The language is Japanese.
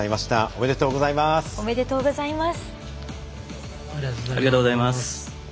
おめでとうございます。